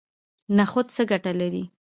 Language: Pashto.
نخود څه ګټه لري؟